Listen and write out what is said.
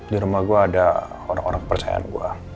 di rumah gue ada orang orang kepercayaan gue